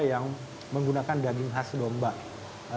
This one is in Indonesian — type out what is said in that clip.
yang menggunakan daging khas domba